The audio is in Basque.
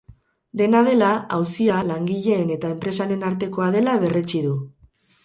Dena dela, auzia langileen eta enpresaren artekoa dela berretsi du.